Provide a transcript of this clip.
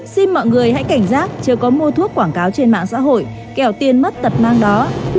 xin mọi người hãy cảnh giác chưa có mua thuốc quảng cáo trên mạng xã hội kẻo tiền mất tật mang đó